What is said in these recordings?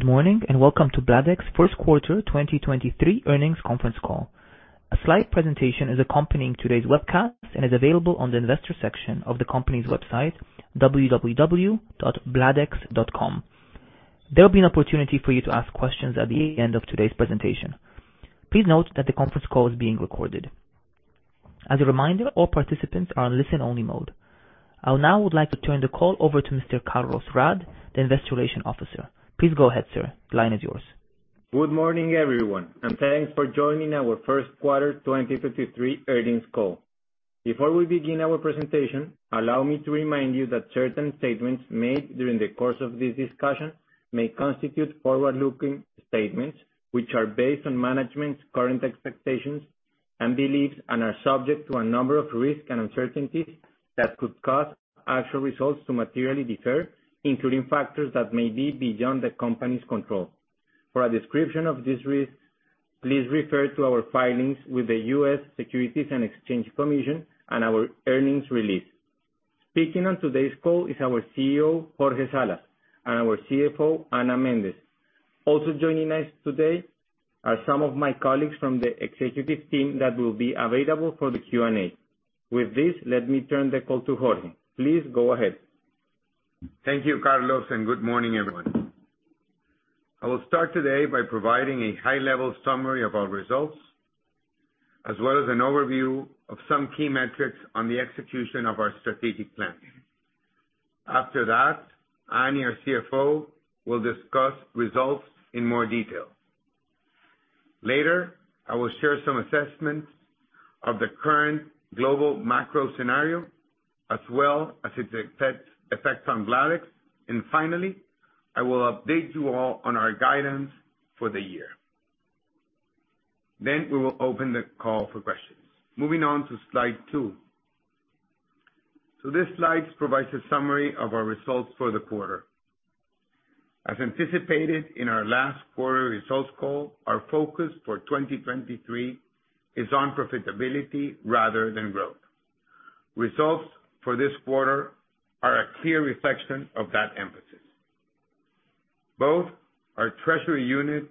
Good morning. Welcome to Bladex first quarter 2023 earnings conference call. A slide presentation is accompanying today's webcast and is available on the investor section of the company's website, www.bladex.com. There will be an opportunity for you to ask questions at the end of today's presentation. Please note that the conference call is being recorded. As a reminder, all participants are on listen-only mode. I now would like to turn the call over to Mr. Carlos Raad, the Investor Relation Officer. Please go ahead, sir. The line is yours. Good morning, everyone, and thanks for joining our first quarter 2023 earnings call. Before we begin our presentation, allow me to remind you that certain statements made during the course of this discussion may constitute forward-looking statements which are based on management's current expectations and beliefs and are subject to a number of risks and uncertainties that could cause actual results to materially differ, including factors that may be beyond the company's control. For a description of these risks, please refer to our filings with the U.S. Securities and Exchange Commission and our earnings release. Speaking on today's call is our CEO, Jorge Salas, and our CFO, Ana Mendez. Also joining us today are some of my colleagues from the executive team that will be available for the Q&A. With this, let me turn the call to Jorge. Please go ahead. Thank you, Carlos. Good morning, everyone. I will start today by providing a high-level summary of our results, as well as an overview of some key metrics on the execution of our strategic plan. After that, Ana, our CFO, will discuss results in more detail. Later, I will share some assessments of the current global macro scenario as well as its effect on Bladex. Finally, I will update you all on our guidance for the year. We will open the call for questions. Moving on to slide two. This slide provides a summary of our results for the quarter. As anticipated in our last quarter results call, our focus for 2023 is on profitability rather than growth. Results for this quarter are a clear reflection of that emphasis. Both our treasury unit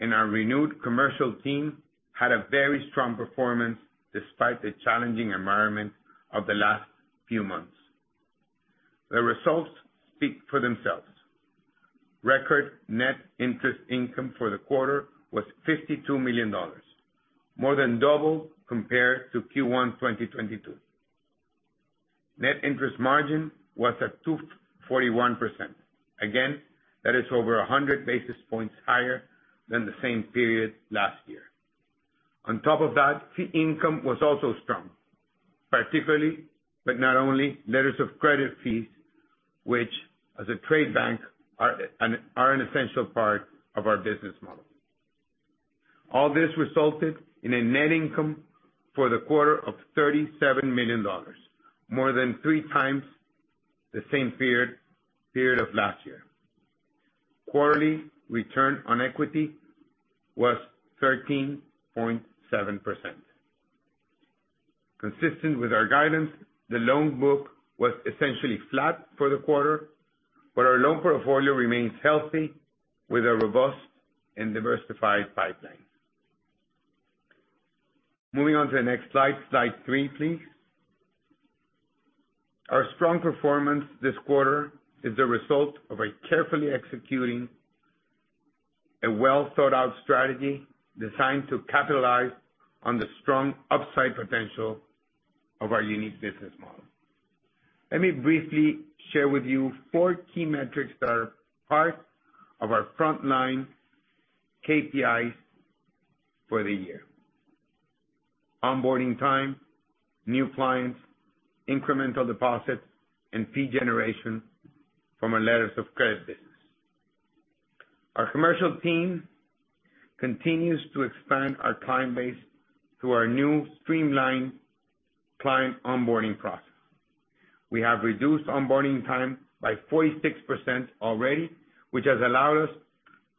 and our renewed commercial team had a very strong performance despite the challenging environment of the last few months. The results speak for themselves. Record net interest income for the quarter was $52 million, more than double compared to Q1 2022. Net interest margin was at 2.41%. Again, that is over 100 basis points higher than the same period last year. On top of that, fee income was also strong, particularly, but not only, letters of credit fees, which as a trade bank are an essential part of our business model. All this resulted in a net income for the quarter of $37 million, more than three times the same period of last year. Quarterly return on equity was 13.7%. Consistent with our guidance, the loan book was essentially flat for the quarter. Our loan portfolio remains healthy with a robust and diversified pipeline. Moving on to the next slide. Slide three, please. Our strong performance this quarter is the result of a carefully executing a well-thought-out strategy designed to capitalize on the strong upside potential of our unique business model. Let me briefly share with you four key metrics that are part of our frontline KPIs for the year: onboarding time, new clients, incremental deposits, and fee generation from our letters of credit business. Our commercial team continues to expand our client base through our new streamlined client onboarding process. We have reduced onboarding time by 46% already, which has allowed us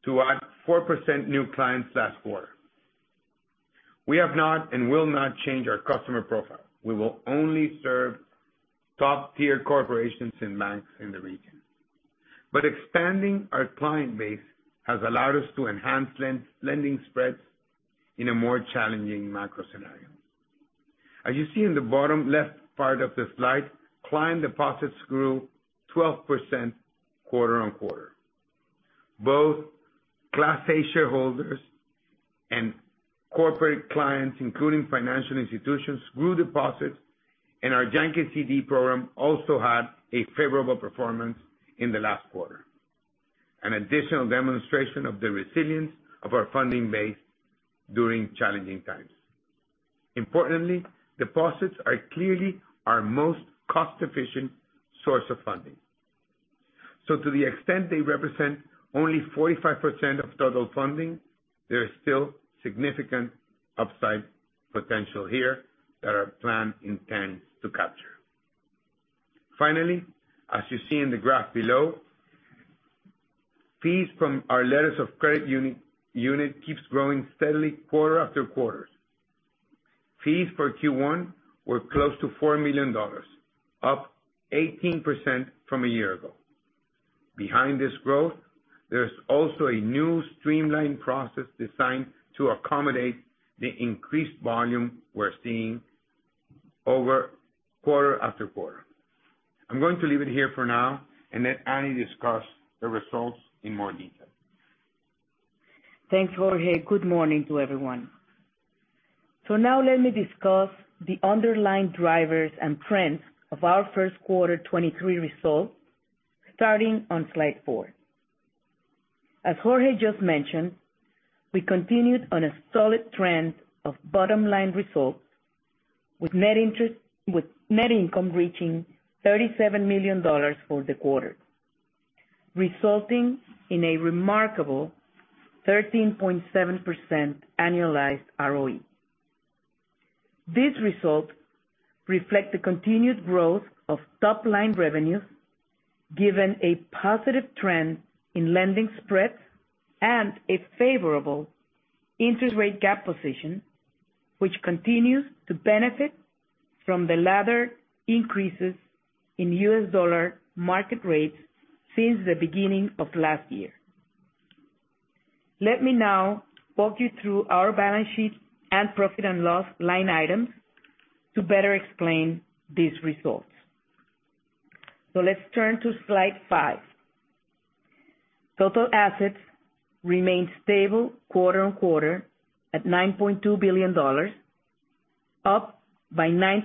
to add 4% new clients last quarter. We have not and will not change our customer profile. We will only serve top-tier corporations and banks in the region. Expanding our client base has allowed us to enhance lending spreads in a more challenging macro scenario. As you see in the bottom left part of the slide, client deposits grew 12% quarter-on-quarter. Both Class A shareholders and corporate clients, including financial institutions, grew deposits, and our Yankee CD program also had a favorable performance in the last quarter. An additional demonstration of the resilience of our funding base during challenging times. Importantly, deposits are clearly our most cost-efficient source of funding. To the extent they represent only 45% of total funding, there is still significant upside potential here that our plan intends to capture. Finally, as you see in the graph below, fees from our letters of credit keeps growing steadily quarter after quarter. Fees for Q1 were close to $4 million, up 18% from a year ago. Behind this growth, there's also a new streamlined process designed to accommodate the increased volume we're seeing over quarter after quarter. Let Ana discuss the results in more detail. Thanks, Jorge. Good morning to everyone. Now let me discuss the underlying drivers and trends of our first quarter 2023 results, starting on slide four. As Jorge just mentioned, we continued on a solid trend of bottom-line results with net income reaching $37 million for the quarter, resulting in a remarkable 13.7% annualized ROE. This result reflect the continued growth of top line revenues, given a positive trend in lending spreads and a favorable interest rate gap position, which continues to benefit from the latter increases in U.S. dollar market rates since the beginning of last year. Let me now walk you through our balance sheet and profit and loss line items to better explain these results. Let's turn to slide five. Total assets remained stable quarter on quarter at $9.2 billion, up by 9%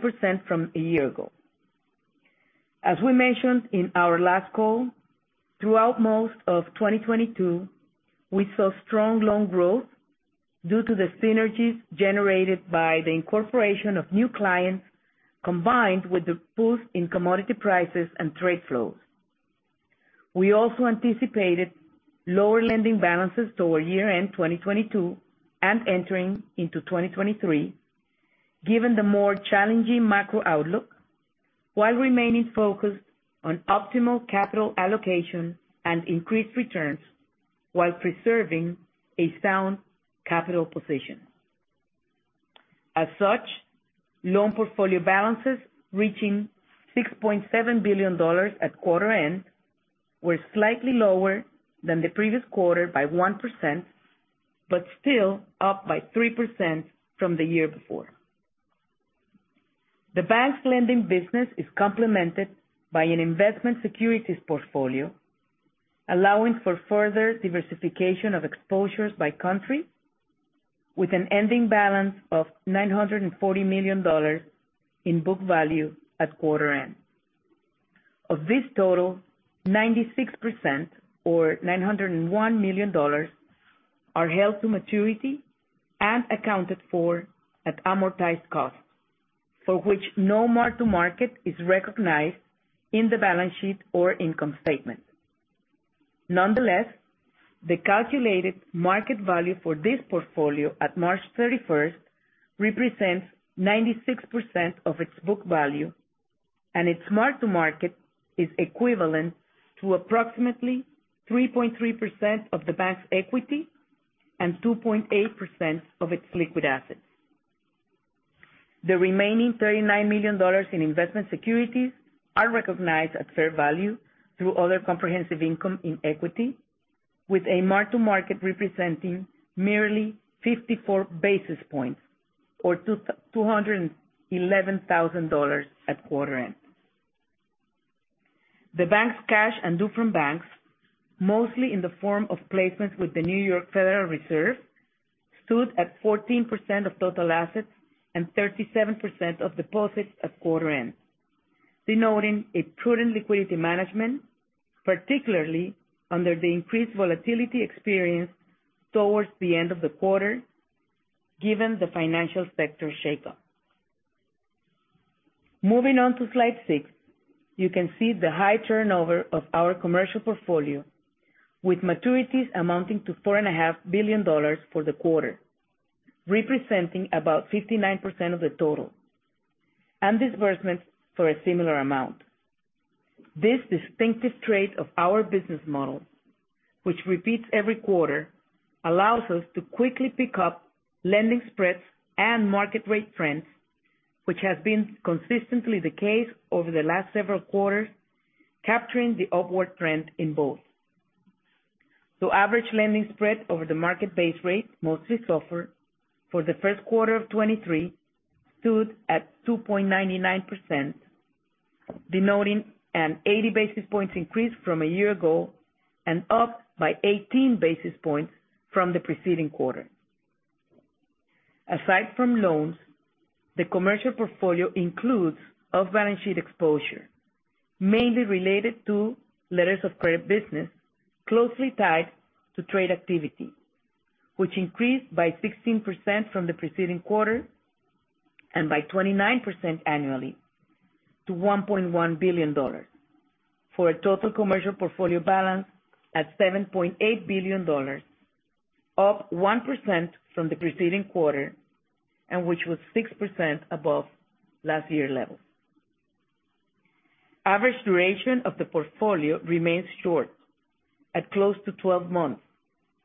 from a year ago. As we mentioned in our last call, throughout most of 2022, we saw strong loan growth due to the synergies generated by the incorporation of new clients, combined with the boost in commodity prices and trade flows. We also anticipated lower lending balances toward year-end 2022 and entering into 2023, given the more challenging macro outlook, while remaining focused on optimal capital allocation and increased returns while preserving a sound capital position. As such, loan portfolio balances reaching $6.7 billion at quarter end were slightly lower than the previous quarter by 1%, but still up by 3% from the year before. The bank's lending business is complemented by an investment securities portfolio, allowing for further diversification of exposures by country, with an ending balance of $940 million in book value at quarter end. Of this total, 96% or $901 million are held to maturity and accounted for at amortized cost, for which no mark-to-market is recognized in the balance sheet or income statement. Nonetheless, the calculated market value for this portfolio at March 31st represents 96% of its book value, and its mark-to-market is equivalent to approximately 3.3% of the bank's equity and 2.8% of its liquid assets. The remaining $39 million in investment securities are recognized at fair value through other comprehensive income in equity, with a mark-to-market representing merely 54 basis points or $211,000 at quarter end. The bank's cash and due from banks, mostly in the form of placements with the New York Federal Reserve, stood at 14% of total assets and 37% of deposits at quarter end, denoting a prudent liquidity management, particularly under the increased volatility experienced towards the end of the quarter, given the financial sector shakeup. Moving on to slide six, you can see the high turnover of our commercial portfolio, with maturities amounting to four and a half billion dollars for the quarter, representing about 59% of the total, and disbursements for a similar amount. This distinctive trait of our business model, which repeats every quarter, allows us to quickly pick up lending spreads and market rate trends, which has been consistently the case over the last several quarters, capturing the upward trend in both. Average lending spread over the market base rate mostly SOFR for the first quarter of 2023 stood at 2.99%, denoting an 80 basis points increase from a year ago and up by 18 basis points from the preceding quarter. Aside from loans, the commercial portfolio includes off-balance-sheet exposure, mainly related to letters of credit business closely tied to trade activity, which increased by 16% from the preceding quarter and by 29% annually to $1.1 billion for a total commercial portfolio balance at $7.8 billion, up 1% from the preceding quarter and which was 6% above last year levels. Average duration of the portfolio remains short at close to 12 months,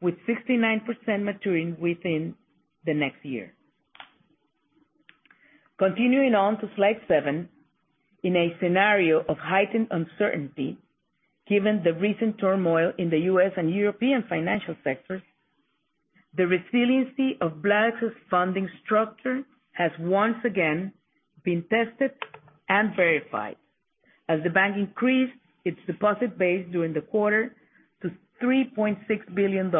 with 69% maturing within the next year. Continuing on to slide seven, in a scenario of heightened uncertainty, given the recent turmoil in the U.S. and European financial sectors, the resiliency of Bladex's funding structure has once again been tested and verified as the bank increased its deposit base during the quarter to $3.6 billion,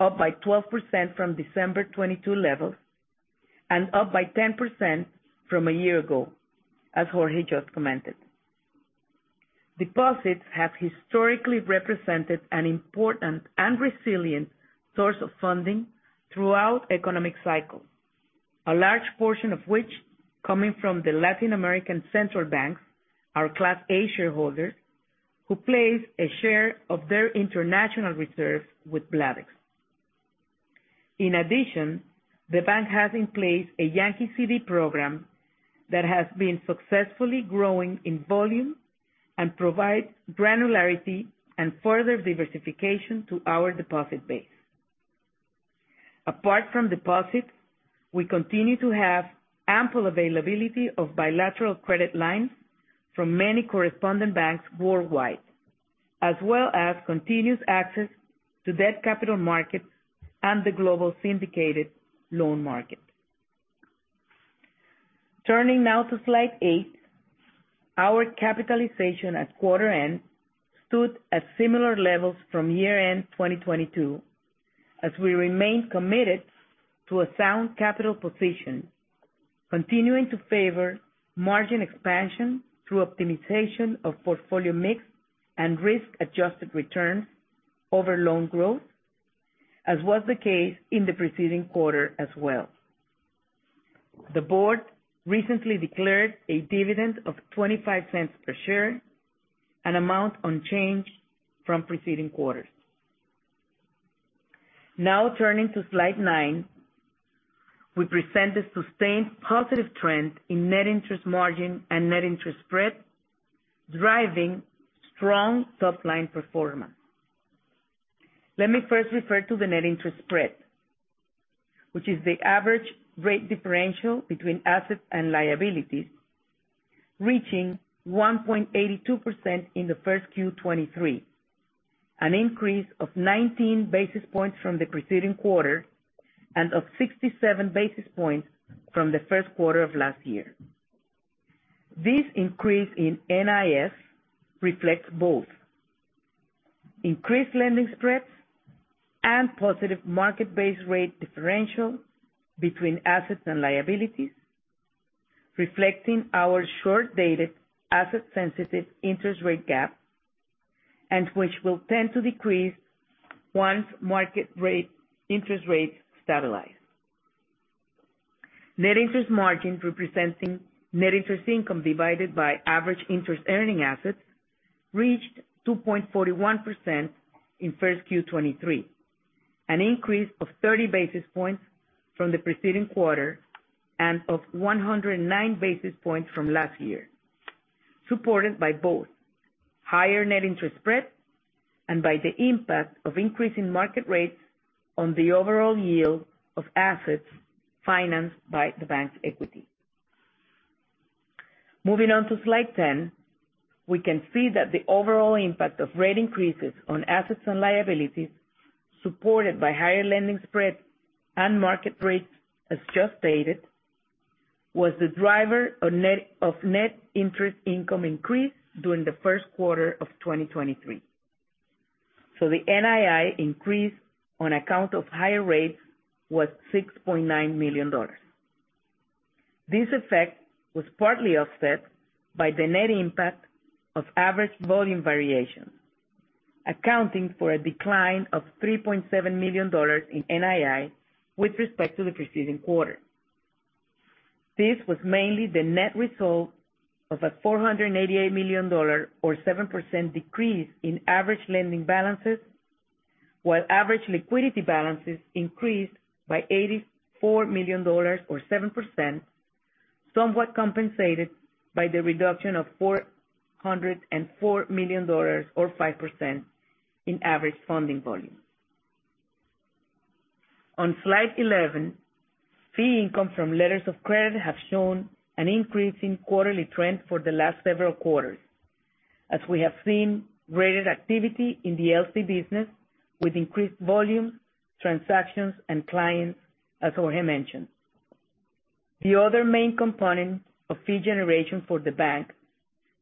up by 12% from December 2022 levels and up by 10% from a year ago, as Jorge just commented. Deposits have historically represented an important and resilient source of funding throughout economic cycles, a large portion of which coming from the Latin American central banks, our Class A shareholders, who place a share of their international reserves with Bladex. In addition, the bank has in place a Yankee CD program that has been successfully growing in volume and provides granularity and further diversification to our deposit base. Apart from deposits, we continue to have ample availability of bilateral credit lines from many correspondent banks worldwide, as well as continuous access to debt capital markets and the global syndicated loan market. Turning now to slide eight, our capitalization at quarter-end stood at similar levels from year-end 2022, as we remain committed to a sound capital position, continuing to favor margin expansion through optimization of portfolio mix and risk-adjusted returns over loan growth, as was the case in the preceding quarter as well. The board recently declared a dividend of $0.25 per share, an amount unchanged from preceding quarters. Now turning to slide nine, we present a sustained positive trend in net interest margin and net interest spread, driving strong top-line performance. Let me first refer to the net interest spread, which is the average rate differential between assets and liabilities, reaching 1.82% in the Q1 2023, an increase of 19 basis points from the preceding quarter and of 67 basis points from the first quarter of last year. This increase in NIS reflects both increased lending spreads and positive market-based rate differential between assets and liabilities, reflecting our short-dated asset-sensitive interest rate gap, and which will tend to decrease once market rate, interest rates stabilize. Net interest margin, representing net interest income divided by average interest earning assets, reached 2.41% in first Q 2023, an increase of 30 basis points from the preceding quarter and of 109 basis points from last year, supported by both higher net interest spreads and by the impact of increasing market rates on the overall yield of assets financed by the bank's equity. Moving on to slide 10, we can see that the overall impact of rate increases on assets and liabilities, supported by higher lending spreads and market rates, as just stated, was the driver of net interest income increase during the first quarter of 2023. The NII increase on account of higher rates was $6.9 million. This effect was partly offset by the net impact of average volume variations, accounting for a decline of $3.7 million in NII with respect to the preceding quarter. This was mainly the net result of a $488 million or 7% decrease in average lending balances, while average liquidity balances increased by $84 million or 7%, somewhat compensated by the reduction of $404 million or 5% in average funding volume. On slide 11, fee income from letters of credit have shown an increase in quarterly trend for the last several quarters, as we have seen greater activity in the LC business with increased volumes, transactions, and clients, as Jorge mentioned. The other main component of fee generation for the bank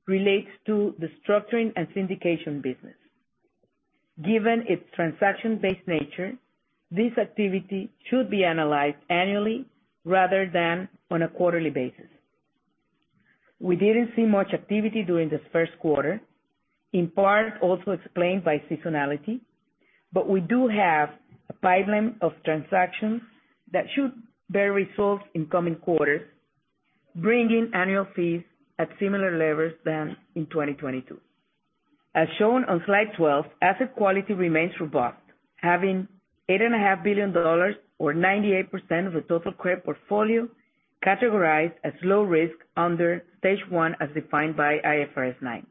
relates to the structuring and syndication business. Given its transaction-based nature, this activity should be analyzed annually rather than on a quarterly basis. We didn't see much activity during this first quarter, in part also explained by seasonality, but we do have a pipeline of transactions that should bear results in coming quarters, bringing annual fees at similar levels than in 2022. As shown on slide 12, asset quality remains robust, having $8.5 billion or 98% of the total credit portfolio categorized as low risk under Stage 1 as defined by IFRS 9.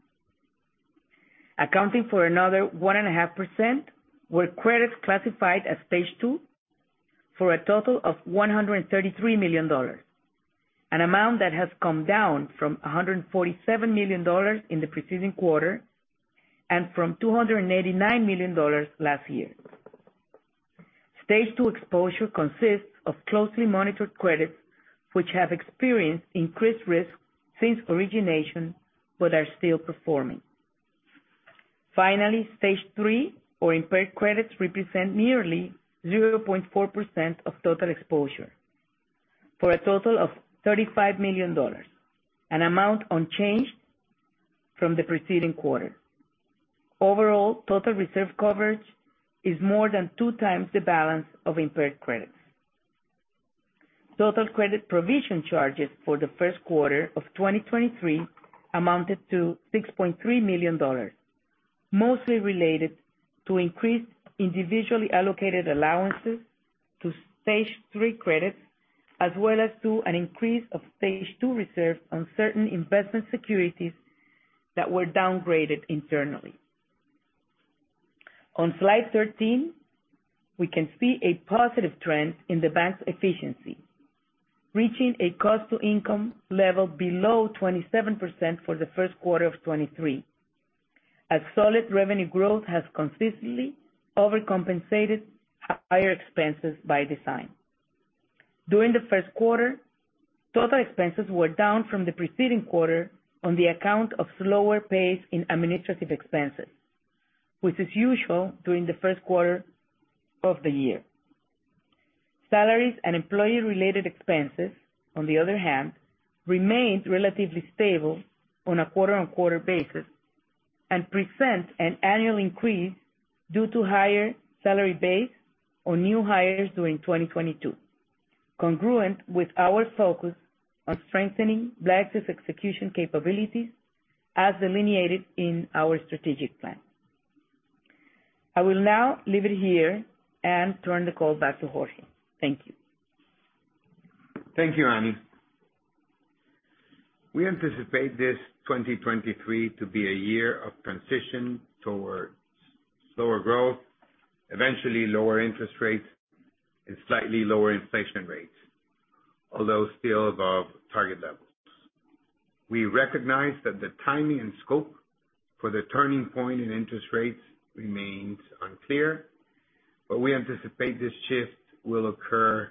Accounting for another 1.5% were credits classified as Stage 2 for a total of $133 million, an amount that has come down from $147 million in the preceding quarter and from $289 million last year. Stage 2 exposure consists of closely monitored credits, which have experienced increased risk since origination, but are still performing. Finally, Stage 3 or impaired credits represent nearly 0.4% of total exposure for a total of $35 million, an amount unchanged from the preceding quarter. Overall, total reserve coverage is more than two times the balance of impaired credits. Total credit provision charges for the first quarter of 2023 amounted to $6.3 million, mostly related to increased individually allocated allowances to Stage 3 credits, as well as to an increase of Stage 2 reserves on certain investment securities that were downgraded internally. On slide 13, we can see a positive trend in the bank's efficiency, reaching a cost to income level below 27% for the first quarter of 2023. As solid revenue growth has consistently overcompensated higher expenses by design. During the first quarter, total expenses were down from the preceding quarter on the account of slower pace in administrative expenses, which is usual during the first quarter of the year. Salaries and employee-related expenses, on the other hand, remained relatively stable on a quarter-on-quarter basis and present an annual increase due to higher salary base on new hires during 2022, congruent with our focus on strengthening Bladex's execution capabilities as delineated in our strategic plan. I will now leave it here and turn the call back to Jorge. Thank you. Thank you, Ana. We anticipate this 2023 to be a year of transition towards slower growth, eventually lower interest rates and slightly lower inflation rates, although still above target levels. We recognize that the timing and scope for the turning point in interest rates remains unclear, but we anticipate this shift will occur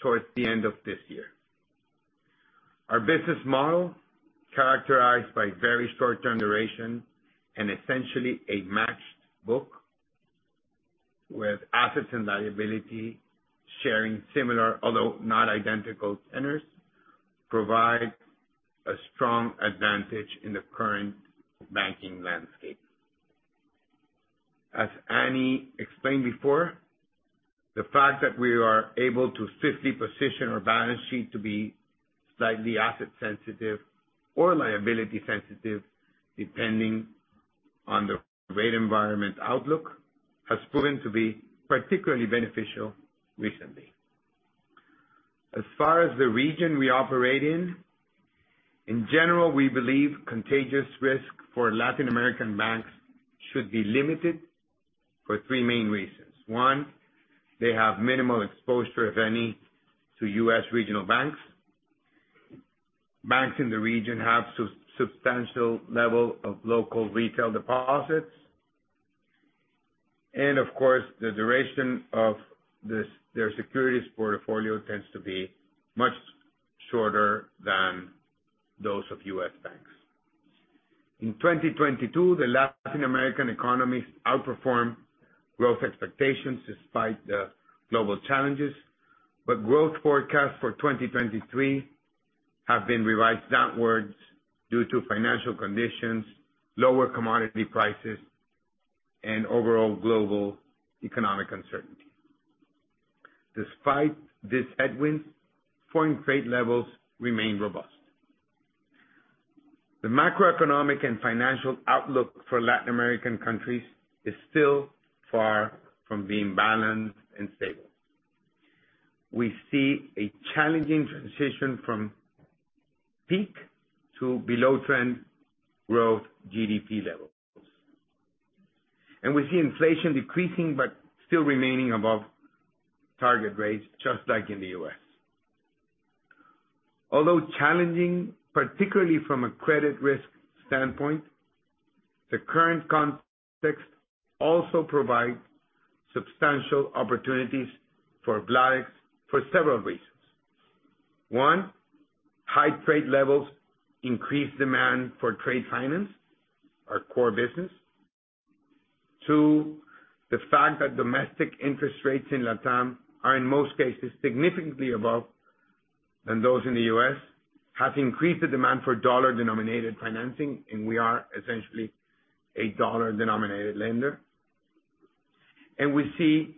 towards the end of this year. Our business model, characterized by very short-term duration and essentially a matched book with assets and liability sharing similar although not identical tenors, provide a strong advantage in the current banking landscape. As Ana explained before, the fact that we are able to safely position our balance sheet to be slightly asset sensitive or liability sensitive, depending on the rate environment outlook, has proven to be particularly beneficial recently. As far as the region we operate in general, we believe contagious risk for Latin American banks should be limited for three main reasons. One, they have minimal exposure, if any, to U.S. regional banks. Banks in the region have substantial level of local retail deposits. Of course, the duration of their securities portfolio tends to be much shorter than those of U.S. banks. In 2022, the Latin American economies outperformed growth expectations despite the global challenges. Growth forecasts for 2023 have been revised downwards due to financial conditions, lower commodity prices, and overall global economic uncertainty. Despite this headwind, foreign trade levels remain robust. The macroeconomic and financial outlook for Latin American countries is still far from being balanced and stable. We see a challenging transition from peak to below trend growth GDP levels. We see inflation decreasing but still remaining above target rates, just like in the U.S. Although challenging, particularly from a credit risk standpoint, the current context also provides substantial opportunities for Bladex for several reasons. One, high trade levels increase demand for trade finance, our core business. Two, the fact that domestic interest rates in LatAm are in most cases significantly above than those in the U.S., has increased the demand for dollar-denominated financing, and we are essentially a dollar-denominated lender. We see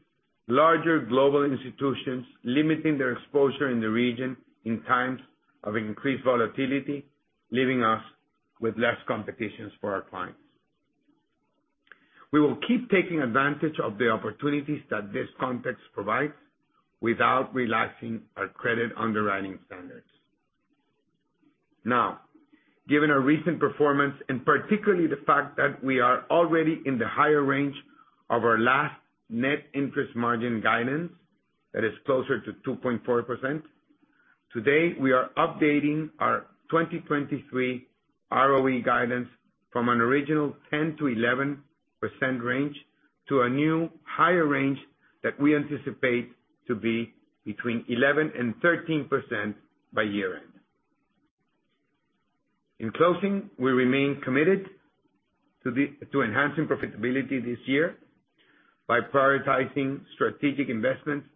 larger global institutions limiting their exposure in the region in times of increased volatility, leaving us with less competitions for our clients. We will keep taking advantage of the opportunities that this context provides without relaxing our credit underwriting standards. Given our recent performance, and particularly the fact that we are already in the higher range of our last net interest margin guidance, that is closer to 2.4%, today we are updating our 2023 ROE guidance from an original 10%-11% range to a new higher range that we anticipate to be between 11% and 13% by year-end. In closing, we remain committed to enhancing profitability this year by prioritizing strategic investments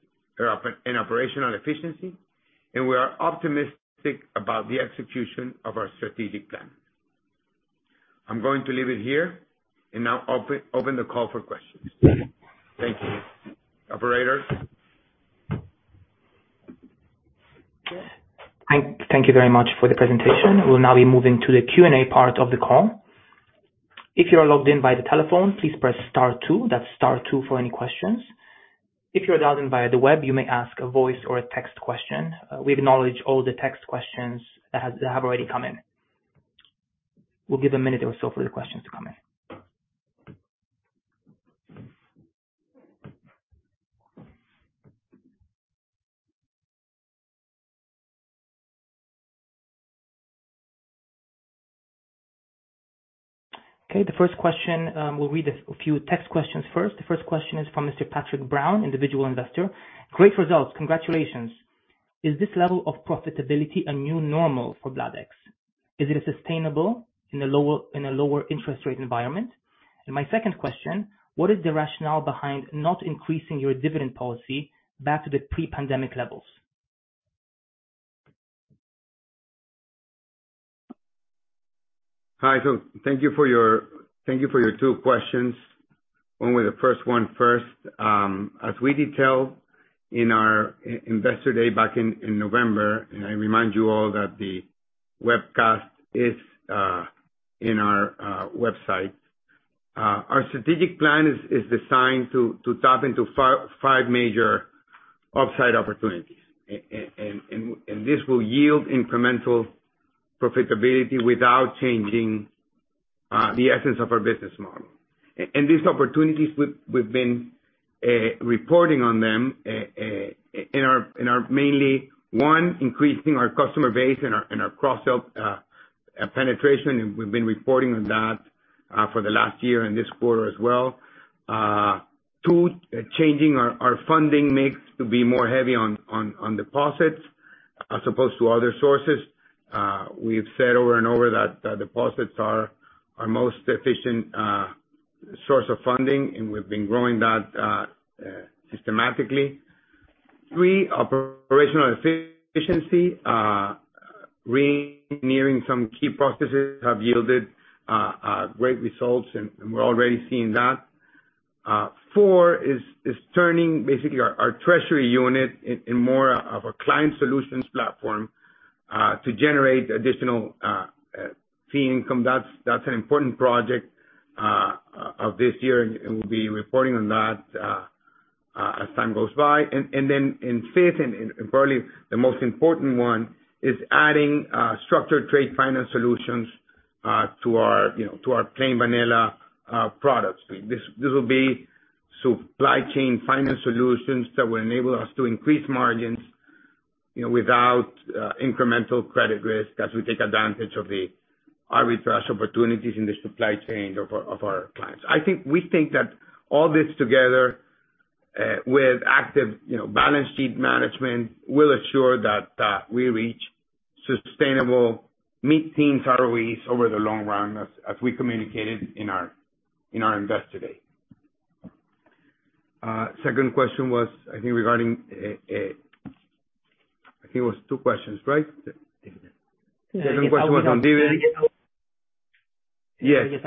and operational efficiency, we are optimistic about the execution of our strategic plan. I'm going to leave it here and now open the call for questions. Thank you. Operator? Thank you very much for the presentation. We'll now be moving to the Q&A part of the call. If you're logged in by the telephone, please press star two, that's star two for any questions. If you're dialed in by the web, you may ask a voice or a text question. We acknowledge all the text questions that have already come in. We'll give a minute or so for the questions to come in. Okay, the first question, we'll read a few text questions first. The first question is from Mr. Patrick Brown, individual investor. Great results, congratulations. Is this level of profitability a new normal for Bladex? Is it sustainable in a lower interest rate environment? My second question, what is the rationale behind not increasing your dividend policy back to the pre-pandemic levels? Hi, thank you for your two questions. Only the first one first. As we detailed in our Investor Day back in November, I remind you all that the webcast is in our website. Our strategic plan is designed to tap into five major offsite opportunities. This will yield incremental profitability without changing the essence of our business model. These opportunities we've been reporting on them in our mainly, one, increasing our customer base and our cross-sell penetration, we've been reporting on that for the last year and this quarter as well. Two, changing our funding mix to be more heavy on deposits as opposed to other sources. We've said over and over that the deposits are our most efficient source of funding, and we've been growing that systematically. Three, operational efficiency. Re-engineering some key processes have yielded great results and we're already seeing that. Four is turning basically our treasury unit in more of a client solutions platform to generate additional fee income. That's an important project of this year and we'll be reporting on that as time goes by. Then in fifth and probably the most important one is adding structured trade finance solutions to our, you know, to our plain vanilla products. This will be supply chain finance solutions that will enable us to increase margins, you know, without incremental credit risk as we take advantage of the, our refresh opportunities in the supply chain of our clients. I think we think that all this together, with active, you know, balance sheet management will assure that we reach sustainable mid-teens ROEs over the long run as we communicated in our, in our invest today. Second question was, I think, regarding... I think it was two questions, right? Yeah. Second question was on dividend. Yes, The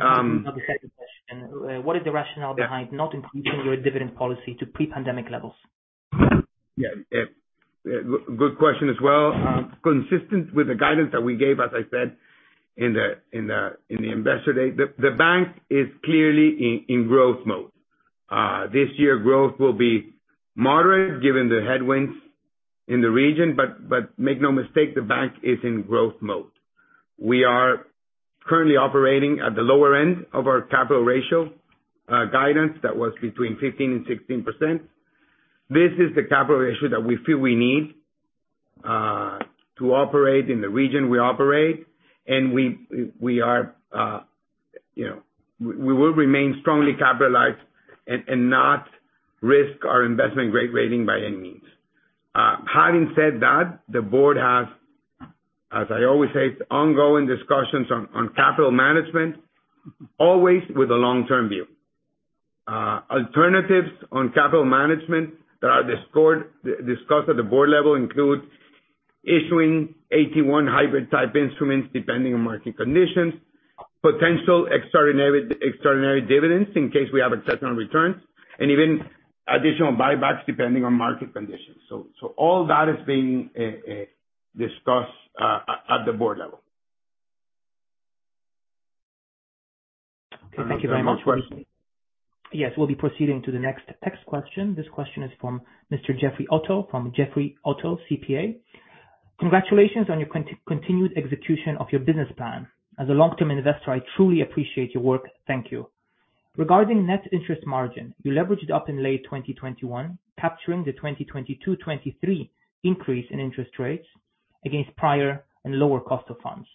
second question, what is the rationale behind not increasing your dividend policy to pre-pandemic levels? Yeah. good question as well. Consistent with the guidance that we gave, as I said in the Investor Day. The bank is clearly in growth mode. This year growth will be moderate given the headwinds in the region, make no mistake, the bank is in growth mode. We are currently operating at the lower end of our capital ratio guidance that was between 15% and 16%. This is the capital ratio that we feel we need to operate in the region we operate, and we are, you know, we will remain strongly capitalized and not risk our investment-grade rating by any means. Having said that, the board has, as I always say, ongoing discussions on capital management, always with a long-term view. Alternatives on capital management that are discord, discussed at the board level include issuing AT1 hybrid-type instruments depending on market conditions. Potential extraordinary dividends in case we have exceptional returns and even additional buybacks depending on market conditions. All that is being discussed at the board level. Okay, thank you very much, Jorge. The next question. Yes, we'll be proceeding to the next text question. This question is from Mr. Jeffrey Otto from Jeffrey Otto CPA. Congratulations on your continued execution of your business plan. As a long-term investor, I truly appreciate your work. Thank you. Regarding net interest margin, you leveraged up in late 2021, capturing the 2022/2023 increase in interest rates against prior and lower cost of funds.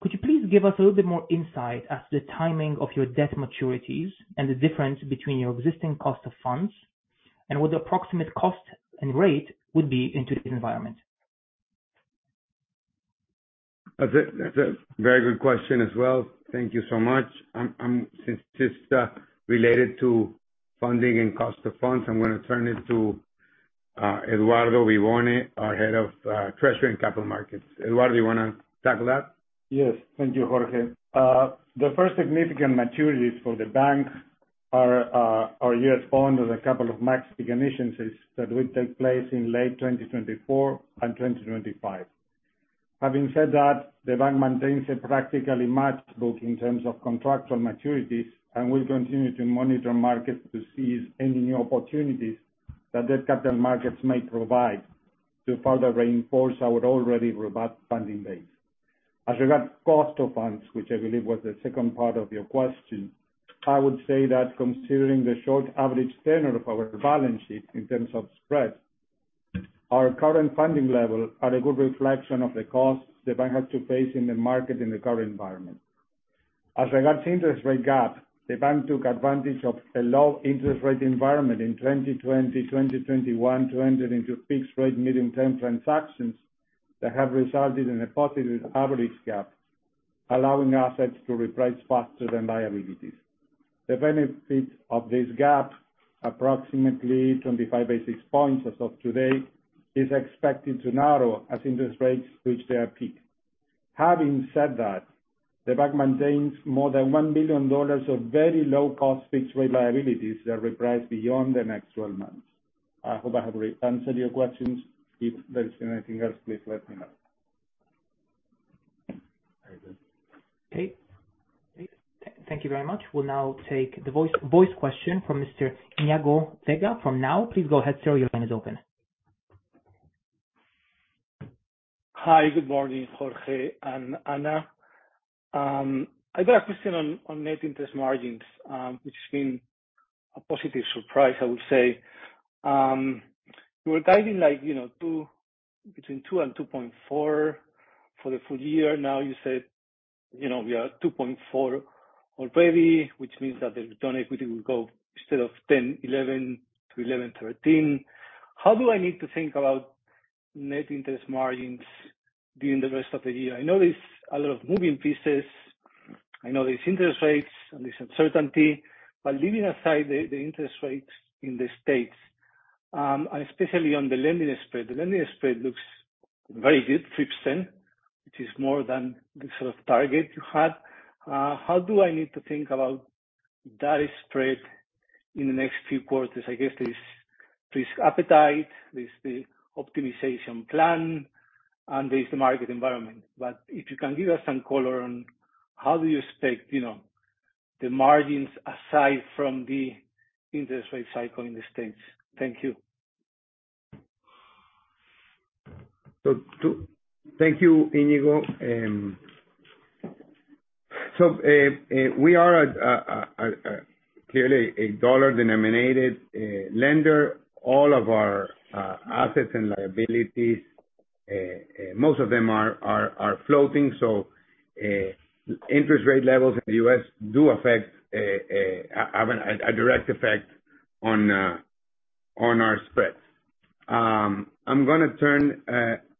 Could you please give us a little bit more insight as to the timing of your debt maturities and the difference between your existing cost of funds and what the approximate cost and rate would be in today's environment? That's a very good question as well. Thank you so much. Since it's related to funding and cost of funds, I'm gonna turn it to Eduardo Vivone, our Head of Treasury and Capital Markets. Eduardo, you wanna tackle that? Yes, thank you, Jorge. The first significant maturities for the bank are U.S. bonds and a couple of Mex securities that will take place in late 2024 and 2025. Having said that, the bank maintains a practically matched book in terms of contractual maturities and will continue to monitor markets to seize any new opportunities that the capital markets may provide to further reinforce our already robust funding base. As regard to cost of funds, which I believe was the second part of your question, I would say that considering the short average tenure of our balance sheet in terms of spread, our current funding levels are a good reflection of the costs the bank has to face in the market in the current environment. As regards to interest rate gap, the bank took advantage of a low interest rate environment in 2020, 2021 to enter into fixed rate medium-term transactions that have resulted in a positive average gap, allowing assets to reprice faster than liabilities. The benefit of this gap, approximately 25 basis points as of today, is expected to narrow as interest rates reach their peak. Having said that, the bank maintains more than $1 billion of very low cost fixed rate liabilities that reprice beyond the next 12 months. I hope I have re-answered your questions. If there is anything else, please let me know. Very good. Okay. Thank you very much. We'll now take the voice question from Mr. Iñigo Vega from Nau. Please go ahead, sir. Your line is open. Hi, good morning, Jorge and Ana. I've got a question on net interest margins, which has been a positive surprise, I would say. You were guiding like, you know, 2%, between 2% and 2.4% for the full-year. You said, you know, we are at 2.4% already, which means that the return on equity will go instead of 10%-11%, to 11%-13%. How do I need to think about net interest margins during the rest of the year? I know there's a lot of moving pieces. I know there's interest rates and there's uncertainty, leaving aside the interest rates in the States, and especially on the lending spread. The lending spread looks very good, 6%, which is more than the sort of target you had. How do I need to think about that spread in the next few quarters? I guess there's risk appetite, there's the optimization plan, and there's the market environment. If you can give us some color on how do you expect, you know, the margins aside from the interest rate cycle in the States. Thank you. Thank you, Iñigo. We are clearly a dollar-denominated lender. All of our assets and liabilities, most of them are floating. Interest rate levels in the U.S. do affect, have a direct effect on our spreads. I'm gonna turn.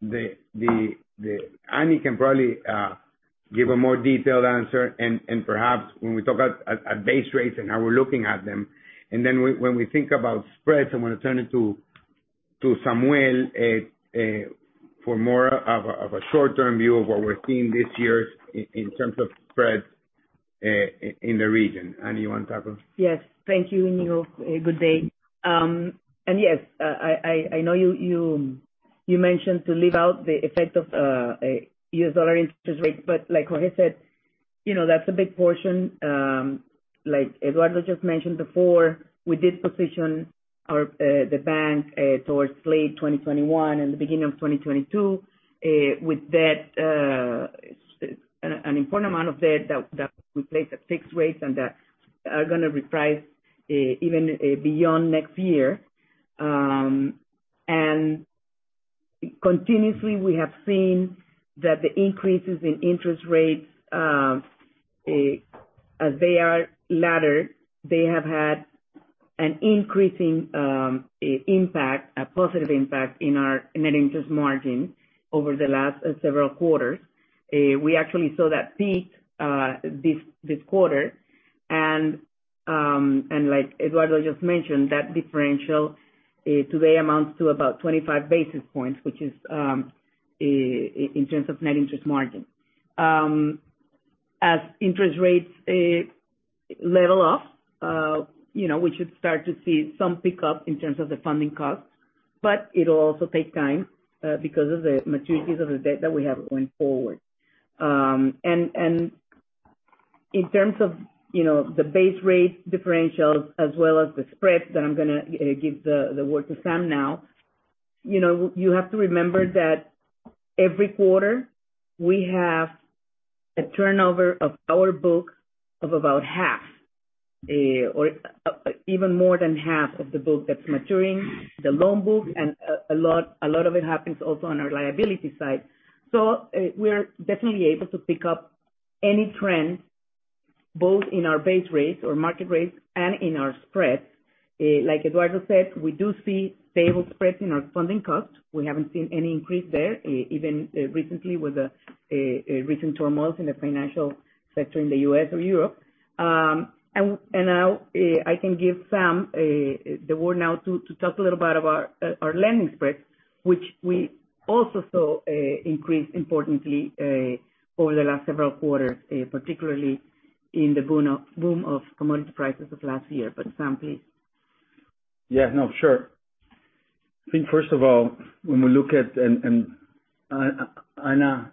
Ani can probably give a more detailed answer, and perhaps when we talk about base rates and how we're looking at them. When we think about spreads, I'm gonna turn it to Samuel for more of a short-term view of what we're seeing this year in terms of spreads in the region. Ana, you wanna tackle? Yes. Thank you, Iñigo. Good day. Yes, I know you mentioned to leave out the effect of U.S. dollar interest rates, but like Jorge said, you know, that's a big portion. Like Eduardo just mentioned before, we did position our the bank towards late 2021 and the beginning of 2022 with debt, an important amount of debt that we placed at fixed rates and that are gonna reprice even beyond next year. Continuously we have seen that the increases in interest rates, as they are laddered, they have had an increasing impact, a positive impact in our net interest margin over the last several quarters. We actually saw that peak this quarter. Like Eduardo just mentioned, that differential today amounts to about 25 basis points, which is in terms of net interest margin. As interest rates, you know, level off, we should start to see some pickup in terms of the funding costs. It'll also take time because of the maturities of the debt that we have going forward. In terms of, you know, the base rate differentials as well as the spreads, then I'm gonna give the word to Sam now. You know, you have to remember that every quarter we have a turnover of our book of about half or even more than half of the book that's maturing, the loan book, and a lot of it happens also on our liability side. We're definitely able to pick up any trend, both in our base rates or market rates and in our spreads. Like Eduardo said, we do see stable spreads in our funding costs. We haven't seen any increase there, even recently with the recent turmoil in the financial sector in the U.S. or Europe. And now, I can give Sam the word now to talk a little bit about our lending spreads, which we also saw increase importantly over the last several quarters, particularly in the boom of commodity prices of last year. Sam, please. Yeah, no, sure. I think first of all, when we look at... Ana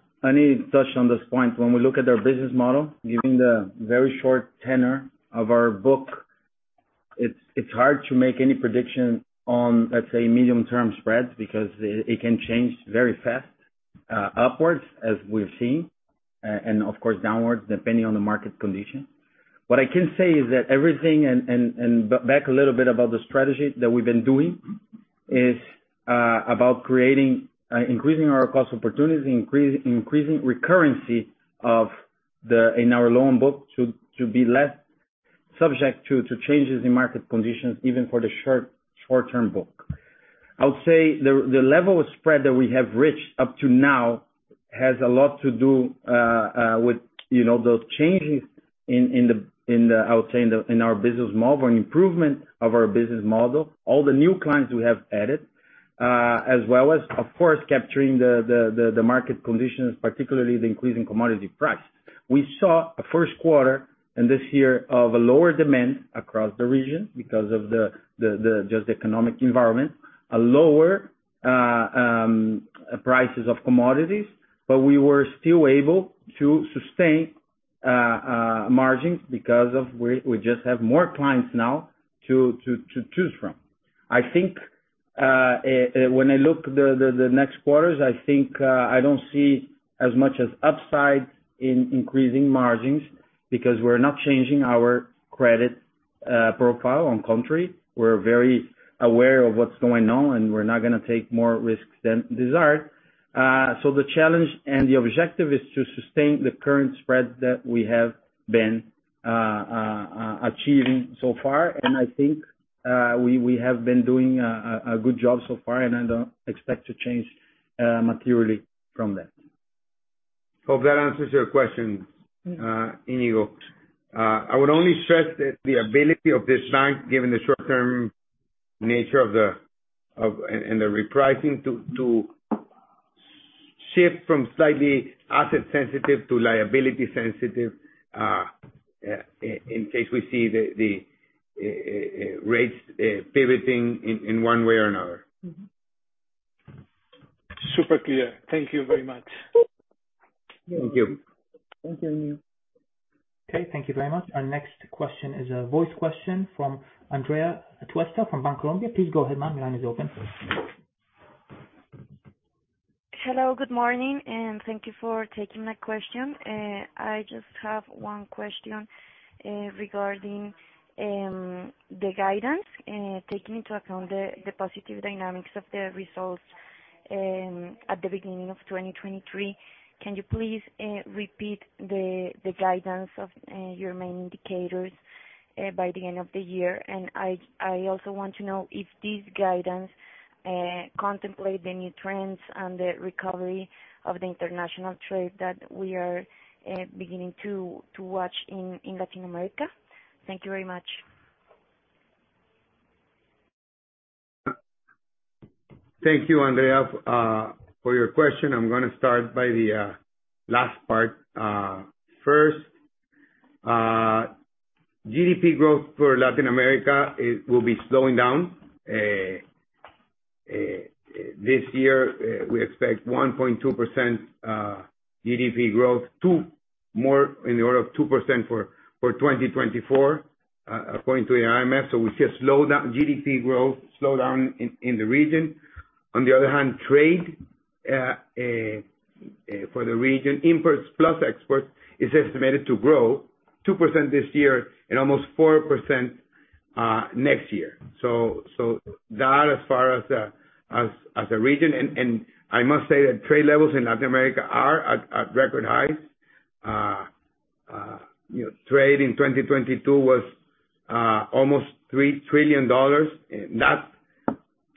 touched on this point. When we look at our business model, given the very short tenor of our book, it's hard to make any prediction on, let's say, medium-term spreads because it can change very fast, upwards, as we've seen, and of course, downwards, depending on the market condition. What I can say is that everything back a little bit about the strategy that we've been doing is about creating increasing our cross opportunities, increasing recurrency in our loan book to be less subject to changes in market conditions, even for the short-term book. I would say the level of spread that we have reached up to now has a lot to do, with, you know, those changes in the, I would say, in our business model and improvement of our business model, all the new clients we have added, as well as, of course, capturing the market conditions, particularly the increase in commodity price. We saw a first quarter in this year of a lower demand across the region because of the just economic environment, a lower prices of commodities, but we were still able to sustain margins because we just have more clients now to choose from. I think, when I look the next quarters, I think, I don't see as much as upside in increasing margins because we're not changing our credit profile on country. We're very aware of what's going on, and we're not gonna take more risks than desired. The challenge and the objective is to sustain the current spread that we have been achieving so far. I think, we have been doing a good job so far, and I don't expect to change materially from that. Hope that answers your question, Iñigo. I would only stress that the ability of this bank, given the short-term nature of the. The repricing to shift from slightly asset sensitive to liability sensitive in case we see the rates pivoting in one way or another. Super clear. Thank you very much. Thank you. Thank you. Okay. Thank you very much. Our next question is a voice question from Andrea Atuesta from Bancolombia. Please go ahead, ma'am. The line is open. Hello. Good morning, and thank you for taking my question. I just have one question regarding the guidance. Taking into account the positive dynamics of the results at the beginning of 2023, can you please repeat the guidance of your main indicators by the end of the year? I also want to know if this guidance contemplate the new trends and the recovery of the international trade that we are beginning to watch in Latin America. Thank you very much. Thank you, Andrea, for your question. I'm gonna start by the last part. First, GDP growth for Latin America will be slowing down. This year, we expect 1.2% GDP growth, more in the order of 2% for 2024, according to the IMF. We see a GDP growth slowdown in the region. On the other hand, trade for the region, imports plus exports is estimated to grow 2% this year and almost 4% next year. That as far as a region. I must say that trade levels in Latin America are at record highs. You know, trade in 2022 was almost $3 trillion net.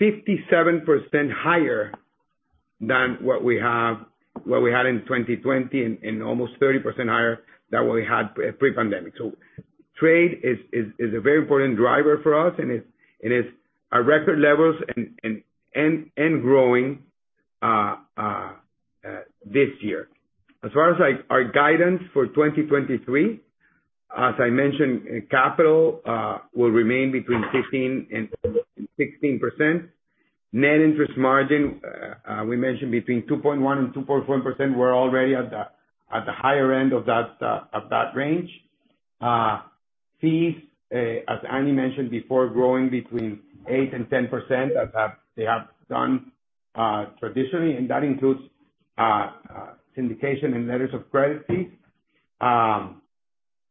57% higher than what we had in 2020 and almost 30% higher than what we had pre-pandemic. Trade is a very important driver for us and it's at record levels and growing this year. As far as like our guidance for 2023, as I mentioned, capital will remain between 15% and 16%. Net interest margin we mentioned between 2.1% and 2.1%. We're already at the higher end of that range. Fees, as Ana mentioned before, growing between 8% and 10% as they have done traditionally, and that includes syndication and letters of credit fees.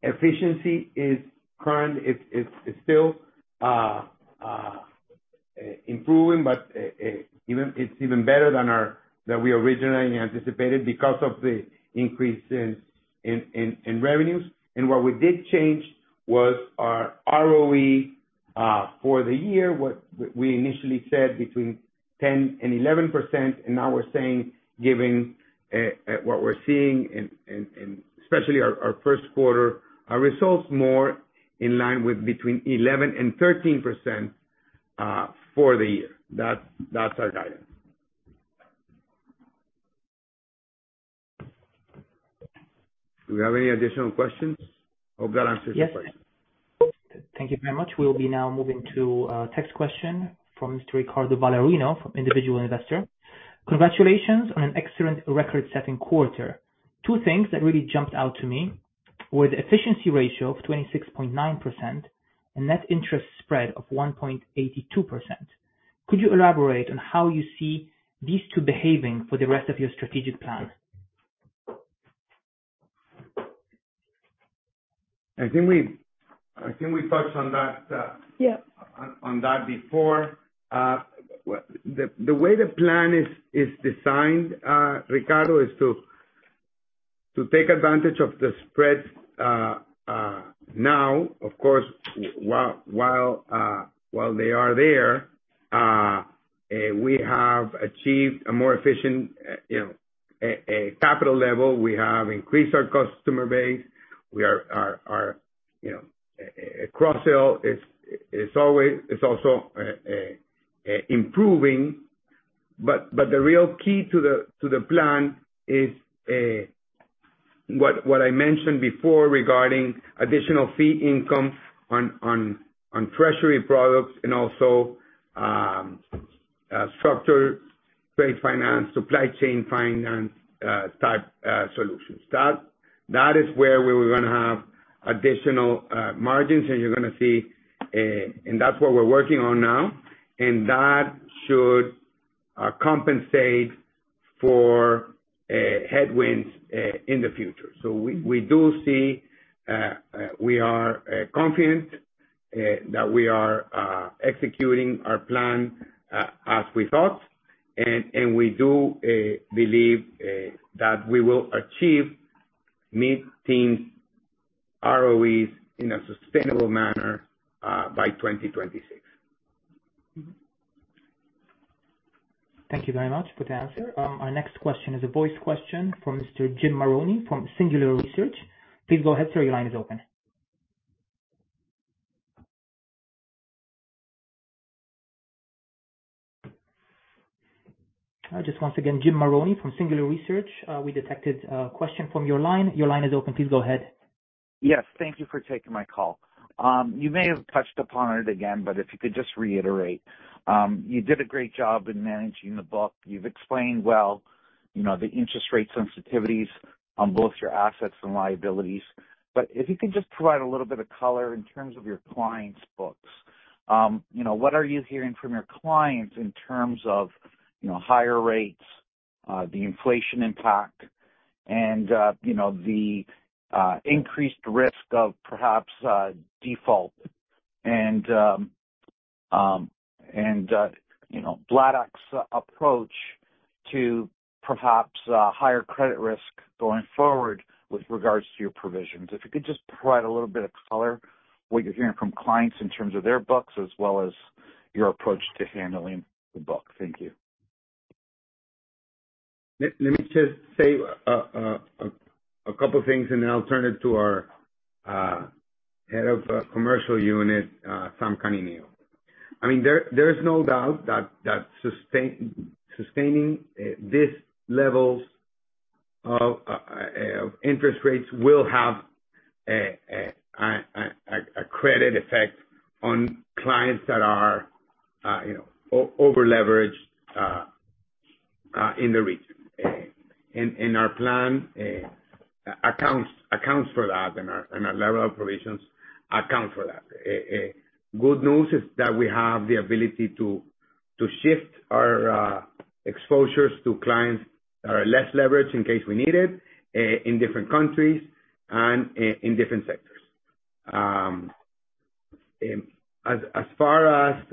Efficiency is current. It's still improving, but it's even better than our, than we originally anticipated because of the increase in revenues. What we did change was our ROE for the year, what we initially said between 10% and 11%. Now we're saying, given what we're seeing in especially our first quarter, our results more in line with between 11% and 13% for the year. That's our guidance. Do we have any additional questions? Hope that answers your question. Yes. Thank you very much. We'll be now moving to a text question from Mr. Ricardo Ballerino, individual investor. Congratulations on an excellent record-setting quarter. Two things that really jumped out to me were the efficiency ratio of 26.9% and net interest spread of 1.82%. Could you elaborate on how you see these two behaving for the rest of your strategic plan? I think we touched on that. Yeah. On that before. The way the plan is designed, Ricardo, is to take advantage of the spreads now, of course, while they are there. We have achieved a more efficient, you know, capital level. We have increased our customer base. Our, you know, cross-sell is always, is also improving. The real key to the plan is what I mentioned before regarding additional fee income on treasury products and also structure trade finance, supply chain finance type solutions. That is where we were gonna have additional margins and you're gonna see. That's what we're working on now. That should compensate for headwinds in the future. We do see, we are confident that we are executing our plan as we thought. We do believe that we will achieve mid-teens ROEs in a sustainable manner by 2026. Thank you very much for the answer. Our next question is a voice question from Mr. Jim Marrone from Singular Research. Please go ahead, sir. Your line is open. Just once again, Jim Marrone from Singular Research. We detected a question from your line. Your line is open. Please go ahead. Yes. Thank you for taking my call. You may have touched upon it again, but if you could just reiterate. You did a great job in managing the book. You've explained well, you know, the interest rate sensitivities on both your assets and liabilities. If you could just provide a little bit of color in terms of your clients' books. You know, what are you hearing from your clients in terms of, you know, higher rates, the inflation impact and, you know, the increased risk of perhaps, default? You know, Bladex approach to perhaps, higher credit risk going forward with regards to your provisions? If you could just provide a little bit of color, what you're hearing from clients in terms of their books as well as your approach to handling the book. Thank you. Let me just say a couple things and then I'll turn it to our head of commercial unit, Sam Canineu. I mean, there is no doubt that sustaining this levels of interest rates will have a credit effect on clients that are, you know, over leveraged in the region. Our plan accounts for that and our level of provisions account for that. Good news is that we have the ability to shift our exposures to clients that are less leveraged in case we need it in different countries and in different sectors. As far as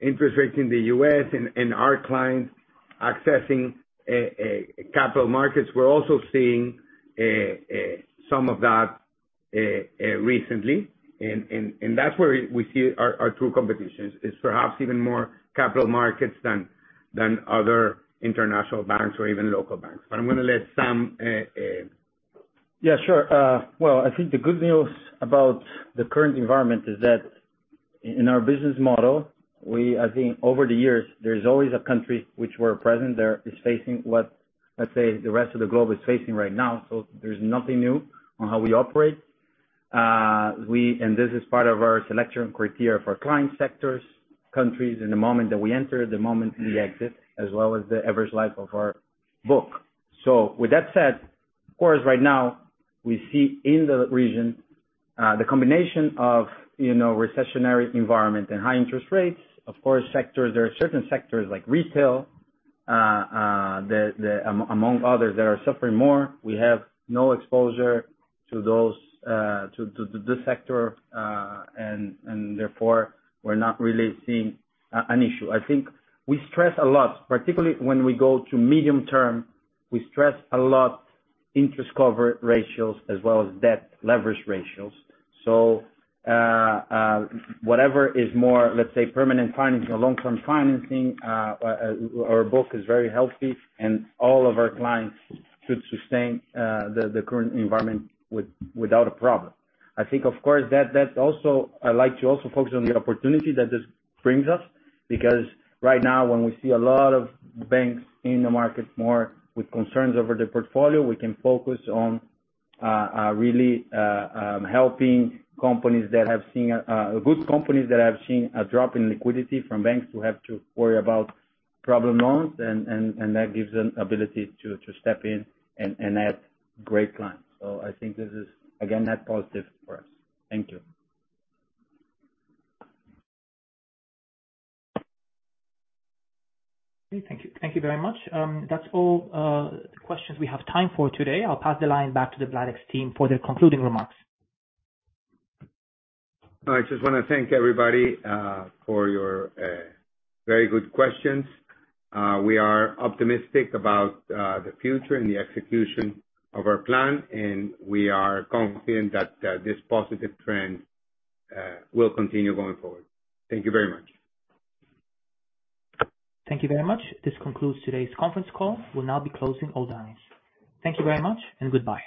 interest rates in the U.S. and our clients accessing capital markets. We're also seeing some of that recently. That's where we see our true competition is perhaps even more capital markets than other international banks or even local banks. I'm gonna let Sam. Yeah, sure. Well, I think the good news about the current environment is that in our business model, we I think over the years, there's always a country which we're present there is facing what, let's say, the rest of the globe is facing right now. There's nothing new on how we operate. This is part of our selection criteria for client sectors, countries, and the moment that we enter, the moment we exit, as well as the average life of our book. With that said, of course, right now we see in the region, the combination of, you know, recessionary environment and high interest rates. Of course, sectors, there are certain sectors like retail, among others that are suffering more. We have no exposure to those to this sector. Therefore, we're not really seeing an issue. I think we stress a lot, particularly when we go to medium term, we stress a lot interest cover ratios as well as debt leverage ratios. Whatever is more, let's say, permanent financing or long-term financing, our book is very healthy and all of our clients should sustain, the current environment without a problem. I think, of course, that's also... I'd like to also focus on the opportunity that this brings us, because right now when we see a lot of banks in the market more with concerns over their portfolio, we can focus on really helping companies that have seen good companies that have seen a drop in liquidity from banks who have to worry about problem loans, and that gives an ability to step in and add great clients. I think this is again, net positive for us. Thank you. Okay. Thank you. Thank you very much. That's all the questions we have time for today. I'll pass the line back to the Bladex team for their concluding remarks. I just wanna thank everybody, for your very good questions. We are optimistic about the future and the execution of our plan, and we are confident that this positive trend will continue going forward. Thank you very much. Thank you very much. This concludes today's conference call. We'll now be closing all lines. Thank you very much and goodbye.